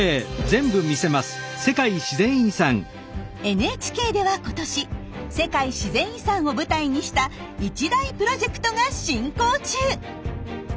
ＮＨＫでは今年世界自然遺産を舞台にした一大プロジェクトが進行中！